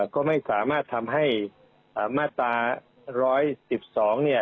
ก็ไม่สามารถทำให้มาตรา๑๑๒เนี่ย